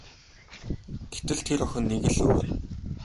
Гэтэл тэр охин нэг л өөр.